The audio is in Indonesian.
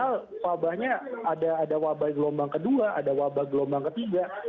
padahal wabahnya ada wabah gelombang kedua ada wabah gelombang ketiga